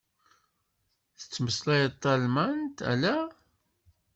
Tettmeslayeḍ talmant? Ala.